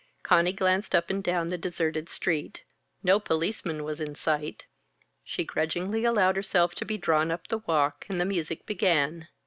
Conny glanced up and down the deserted street. No policeman was in sight. She grudgingly allowed herself to be drawn up the walk, and the music began.